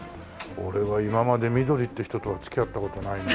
俺は今まで緑って人とはつき合った事ないな。